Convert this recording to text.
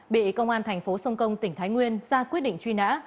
bị công an thành phố sông công tỉnh thái nguyên ra quyết định truy nã